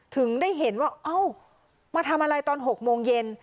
ถึงได้เห็นว่าเอ้ามาทำอะไรตอน๖โมงเย็น